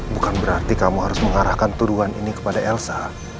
bukan berarti kamu harus mengarahkan tuduhan ini kepada elsa